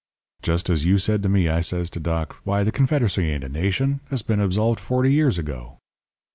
"Just as you said to me I says to Doc; 'Why, the Confederacy ain't a nation. It's been absolved forty years ago.'